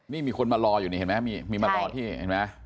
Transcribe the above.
นี่มีคนมารออยู่นี่เห็นไหมมีมารอที่เห็นไหม